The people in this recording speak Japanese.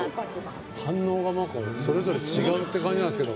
反応がそれぞれ違うって感じなんですけど。